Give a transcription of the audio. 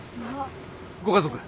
ご家族？